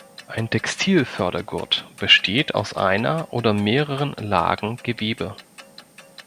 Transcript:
Ein Textil-Fördergurt besteht aus einer oder mehreren Lagen Gewebe.